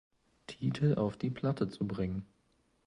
Titel auf die Platte zu bringen.